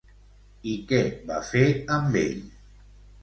I què va fer amb ell?